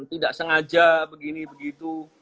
tidak sengaja begini begitu